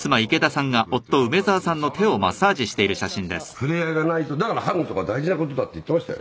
触れ合いがないとだからハグとか大事な事だって言ってましたよ。